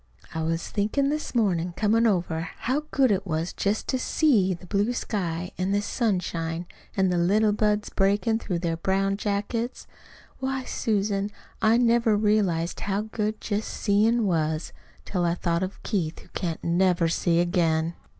I was thinkin' this mornin', comin' over, how good it was just to SEE the blue sky an' the sunshine an' the little buds breakin' through their brown jackets. Why, Susan, I never realized how good just seein' was till I thought of Keith, who can't never see again."